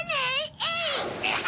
えい！